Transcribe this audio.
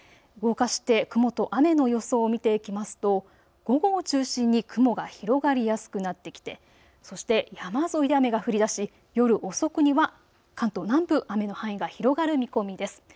動かして、雲と雨の予想を見ていきますと午後を中心に雲が広がりやすくなってきてそして山沿いで雨が降りだし、夜遅くには関東南部雨の範囲が広がる予想です。